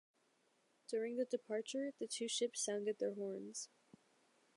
During the departure, the two ships sounded their horns.